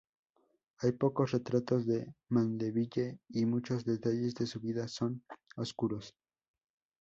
Hay pocos retratos de Mandeville y muchos detalles de su vida son oscuros.